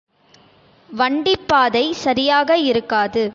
வண்டிப்பாதை சரியாக இருக்காது.